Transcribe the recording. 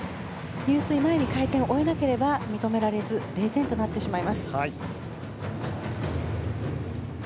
入水前に回転を終えなければ認められず０点となってしまいます。